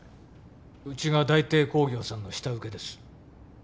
うちが大帝工業さんの下請けです